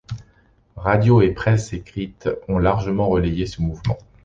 Radios et presse écrite ont largement relayé ce mouvement.